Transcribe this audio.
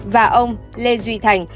và ông lê duy thành